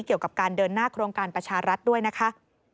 เกี่ยวกับการเดินหน้าโครงการประชารัฐด้วยนะคะ